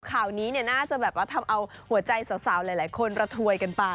ข่าวนี้น่าจะทำเอาหัวใจสาวหลายคนระทวยกันไป